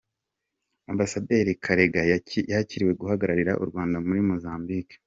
Ambasaderi Karega yakiriwe guhagararira u Rwanda muri muzambike